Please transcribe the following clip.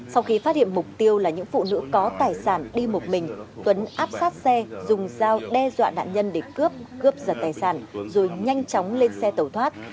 sau khi phát hiện mục tiêu là những phụ nữ có tài sản đi một mình tuấn áp sát xe dùng dao đe dọa nạn nhân để cướp cướp giật tài sản rồi nhanh chóng lên xe tẩu thoát